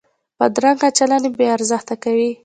بدرنګه چلند بې ارزښته کوي